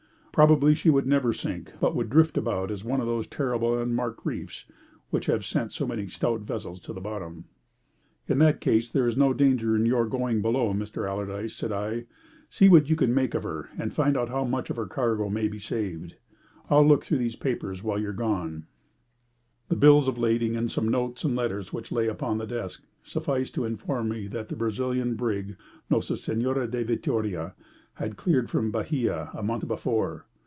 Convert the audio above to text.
Probably she would never sink, but would drift about as one of those terrible unmarked reefs which have sent so many stout vessels to the bottom. "In that case there is no danger in your going below, Mr. Allardyce," said I. "See what you can make of her and find out how much of her cargo may be saved. I'll look through these papers while you are gone." The bills of lading, and some notes and letters which lay upon the desk, sufficed to inform me that the Brazilian brig Nossa Sehnora da Vittoria had cleared from Bahia a month before.